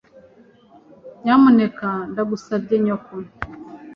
Nyamuneka ndagusabye nyoko.